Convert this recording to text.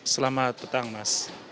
selamat petang mas